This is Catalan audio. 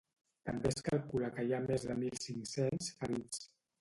També es calcula que hi ha més de mil cinc-cents ferits.